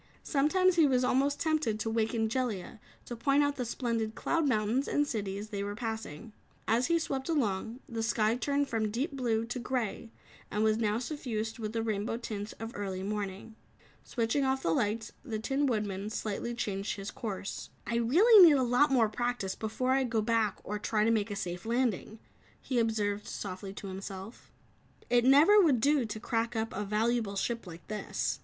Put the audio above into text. Sometimes he was almost tempted to waken Jellia to point out the splendid cloud mountains and cities they were passing. As he swept along, the sky turned from deep blue to grey and was now suffused with the rainbow tints of early morning. Switching off the lights, the Tin Woodman slightly changed his course. "I really need a lot more practice before I go back or try to make a safe landing," he observed softly to himself. "It never would do to crack up a valuable ship like this."